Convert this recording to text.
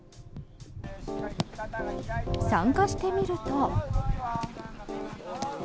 参加してみると。